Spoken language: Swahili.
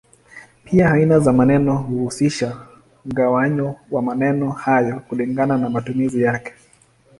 Pia aina za maneno huhusisha mgawanyo wa maneno hayo kulingana na matumizi yake.